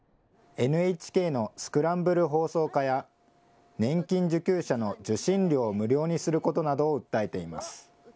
ＮＨＫのスクランブル放送化や、年金受給者の受信料を無料にすることなどを訴えています。